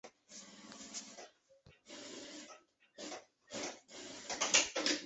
秘书监牛弘以德源推荐他与着作郎王邵同修国史。